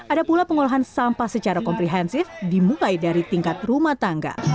ada pula pengolahan sampah secara komprehensif dimulai dari tingkat rumah tangga